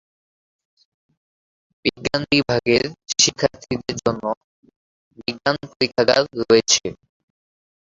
বিজ্ঞান বিভাগের শিক্ষার্থীদের জন্য বিজ্ঞান পরীক্ষাগার রয়েছে।